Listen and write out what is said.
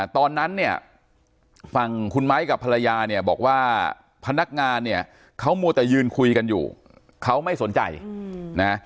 ตอนนั้นเนี่ยฝั่งคุณไม้กับภรรยาเนี่ยบอกว่าพนักงานเนี่ยเขามัวแต่ยืนคุยกันอยู่เขาไม่สนใจนะ